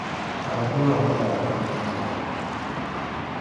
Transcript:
Naa Gbewaa ni daa kani n-naai.